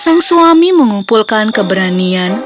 sang suami mengumpulkan keberanian